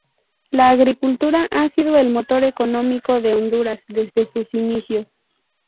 La agricultura ha sido el motor económico de Honduras desde sus inicios.